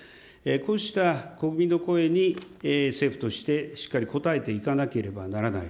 こうした国民の声に政府として、しっかり応えていかなければならない。